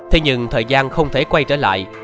thế nhưng thời gian không thể quay trở lại